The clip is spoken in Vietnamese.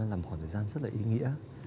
làm khoảng thời gian rất là ý nghĩa